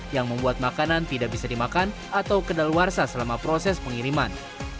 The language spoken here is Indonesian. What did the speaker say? yang membuat makanan tidak bisa dimakan atau kedaluarsa selama proses pengiriman